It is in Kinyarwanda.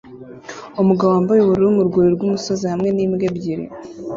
Umugabo wambaye ubururu mu rwuri rwumusozi hamwe nimbwa ebyiri